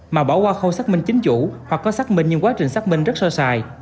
mà bỏ qua khâu xác minh chính chủ hoặc có xác minh nhưng quá trình xác minh rất sơ sài